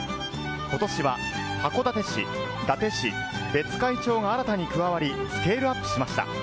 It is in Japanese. ことしは函館市、伊達市、別海町が新たに加わり、スケールアップしました。